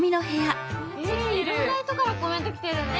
いろんな人からコメント来てるね！